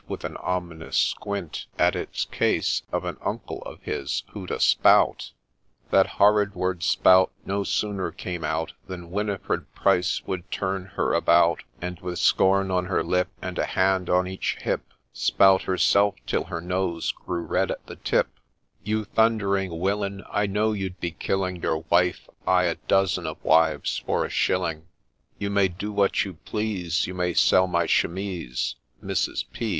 With an ominous squint At its case, of an ' Uncle ' of his, who'd a ' Spout.' That horrid word ' Spout ' No sooner came out Than Winifred Pryce would turn her about, And with scorn on her lip, And a hand on each hip, ' Spout ' herself till her nose grew red at the tip, •LOOK AT THE CLOCK' 33 * You thundering Willin, I know you'd be killing Your wife, — ay, a dozen of wives, — for a shilling I You may do what you please, You may sell my chemise, (Mrs. P.